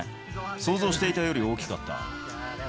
想像していたより大きかった。